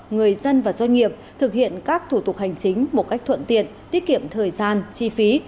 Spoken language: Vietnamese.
người dân và doanh nghiệp thực hiện các thủ tục hành chính một cách thuận tiện tiết kiệm thời gian chi phí